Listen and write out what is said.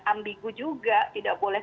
ambigu juga tidak boleh